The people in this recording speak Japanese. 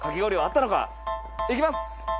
いきます。